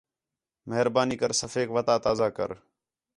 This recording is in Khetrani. مہربانی کر صفحیک وَتا تازہ کر